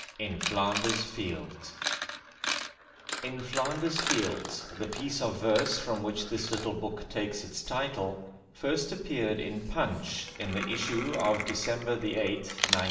In Flanders Fields "In Flanders Fields", the piece of verse from which this little book takes its title, first appeared in 'Punch' in the issue of December 8th, 1915.